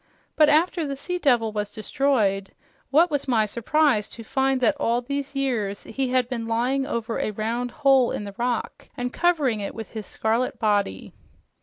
But after the sea devil was destroyed, what was my surprise to find that all these years he had been lying over a round hole in the rock and covering it with his scarlet body!